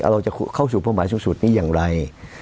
เราจะเข้าสู่เป้าหมายสูงสุดนี้อย่างไร